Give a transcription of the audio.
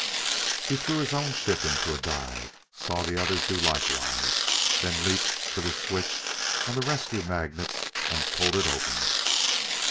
He threw his own ship into a dive; saw the others do likewise; then leaped for the switch on the rescue magnets and pulled it open.